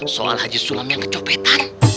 soal haji sulam yang kecopetan